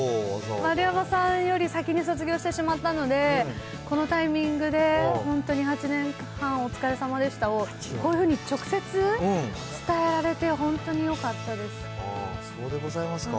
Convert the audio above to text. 丸山さんより先に卒業してしまったので、このタイミングで本当に８年半、お疲れさまでしたを、こういうふうに直接、伝えられて、本当によそうでございますか。